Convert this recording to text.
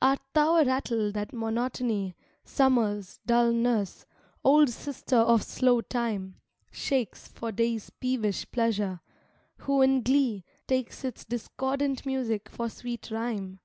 Art thou a rattle that Monotony, Summer's dull nurse, old sister of slow Time, Shakes for Day's peevish pleasure, who in glee Takes its discordant music for sweet rhyme?